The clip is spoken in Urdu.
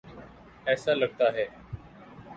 ایسا لگتا ہے۔